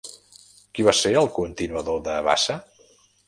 Qui va ser el continuador de Bassa?